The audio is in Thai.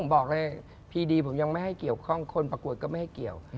ไม่ให้เกี่ยวข้องคนประกวดก็ไม่ให้เกี่ยว